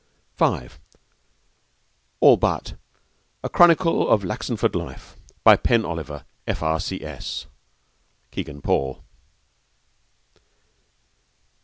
(5) All But: A Chronicle of Laxenford Life. By Pen Oliver, F.R.C.S. (Kegan Paul.)